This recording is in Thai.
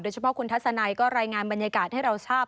เฉพาะคุณทัศนัยก็รายงานบรรยากาศให้เราทราบ